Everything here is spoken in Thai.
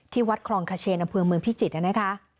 ที่วัดคลองคเชนอเมืองพิจิตย์นะคะ